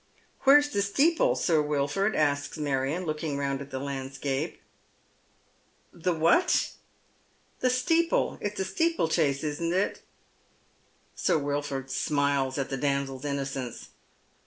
" Where's the steeple, Sir Wilford ?" asks Marion, looking round at tlie landscape. 206 Dead Men's S%oe6. "The what?" " The steeple. It's a steeplechase, isn't it? Sir Wilford smiles at the damsel's innocence.